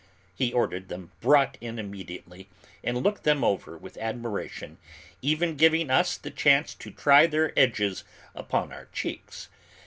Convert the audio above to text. He ordered them brought in immediately, and looked them over, with admiration, even giving us the chance to try their edges upon our cheeks.